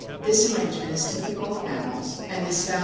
This arrangement is typical of mammals, and is found HI < Q.